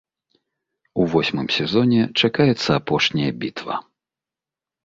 У восьмым сезоне чакаецца апошняя бітва.